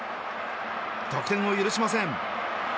得点を許しません。